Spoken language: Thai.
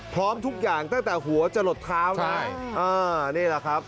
พร้อมทุกอย่างตั้งแต่หัวจะหลดเท้าใช่อ่านี่แหละครับ